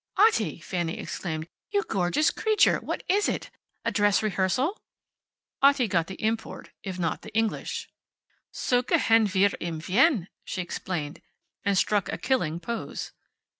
"Otti!" Fanny exclaimed. "You gorgeous creature! What is it? A dress rehearsal?" Otti got the import, if not the English. "So gehen wir im Wien," she explained, and struck a killing pose.